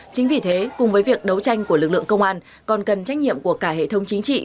chính vì thế cùng với việc đấu tranh của lực lượng công an còn cần trách nhiệm của cả hệ thống chính trị